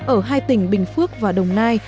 ở hai tỉnh bình phước và đồng nai